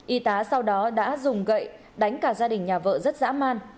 y tá sau đó đã dùng gậy đánh cả gia đình nhà vợ rất dã man